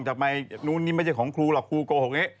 จากนี้ไม่ใช่ของครูหรอกครูโกหก